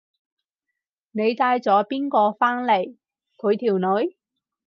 你帶咗邊個返嚟？佢條女？